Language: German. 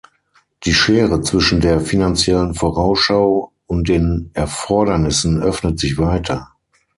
Die Schere zwischen der Finanziellen Vorausschau und den Erfordernissen öffnet sich weiter.